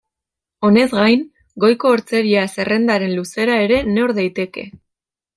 Honez gain, goiko hortzeria-zerrendaren luzera ere neur daiteke.